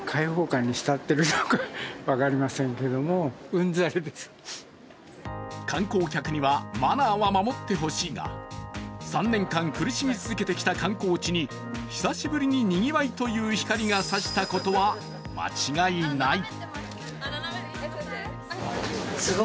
なんと庭の中にも、住民は観光客にはマナーは守ってほしいが３年間苦しみ続けてきた観光地に久しぶりににぎわいという光が差したことは間違いない。